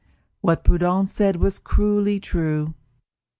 What Prudence said was cruelly true.